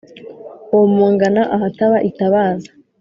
womongana ahataba itabaza